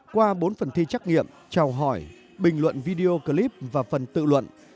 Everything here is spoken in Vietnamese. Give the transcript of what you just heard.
qua bốn phần thi trắc nghiệm trào hỏi bình luận video clip và phần tự luận